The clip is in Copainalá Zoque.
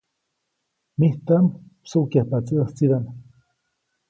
Mijtaʼm msuʼkyajpaʼtsi ʼäjtsidaʼm.